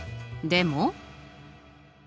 でも？